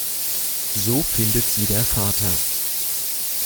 So findet sie der Vater.